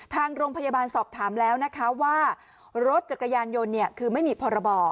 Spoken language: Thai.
ทางโรงพยาบาลสอบถามแล้วนะคะว่ารถจักรยานยนต์คือไม่มีพรบ